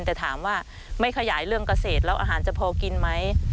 แต่ถามว่าไม่ขยายเรื่องเกษตรแล้วอาหารจะพอกินไหม